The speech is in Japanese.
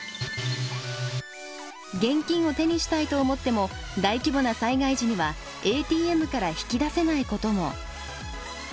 現金を手にしたいと思っても大規模な災害時にはＡＴＭから引き出せないことも。